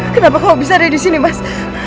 kenapa kamu bisa ada disini mas